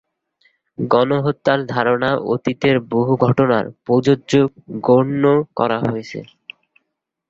গণহত্যার ধারণা অতীতের বহু ঘটনায় প্রযোজ্য গণ্য করা হয়েছে।